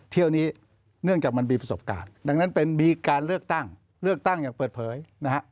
เที่ยวนี้เนื่องจากมันมีประสบการณ์ดังนั้นเป็นมีการเลือกตั้งเลือกตั้งอย่างเปิดเผยนะฮะ